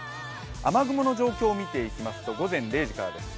雨雲の状況を見ていきますと、午前０時からです。